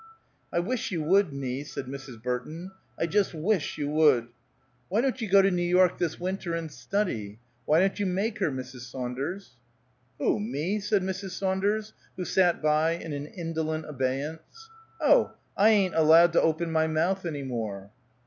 "I wish you would, Nie," said Mrs. Burton, "I just wish you would. Why don't you go to New York, this winter, and study! Why don't you make her, Mrs. Saunders?" "Who? Me?" said Mrs. Saunders, who sat by, in an indolent abeyance. "Oh! I ain't allowed to open my mouth any more."